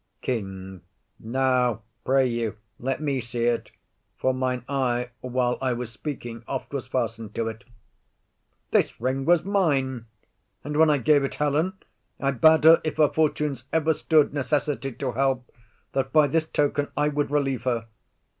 KING. Now, pray you, let me see it; for mine eye, While I was speaking, oft was fasten'd to it. This ring was mine; and when I gave it Helen I bade her, if her fortunes ever stood Necessitied to help, that by this token I would relieve her.